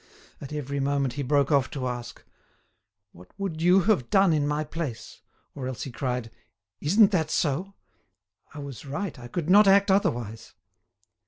At every moment he broke off to ask: "What would you have done in my place?" or else he cried, "Isn't that so? I was right, I could not act otherwise."